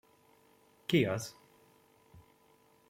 Ki az?